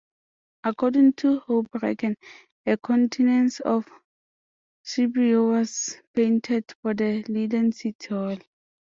According to Houbraken, a "Continence of Scipio" was painted for the Leiden city hall.